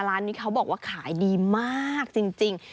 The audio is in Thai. ร้านนี้เขาบอกว่าขายดีมากจริง